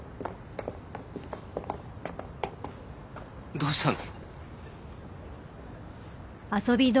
どうしたの？